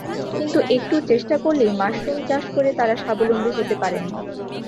কিন্তু একটু চেষ্টা করলেই মাশরুম চাষ করে তাঁরা স্বাবলম্বী হতে পারেন।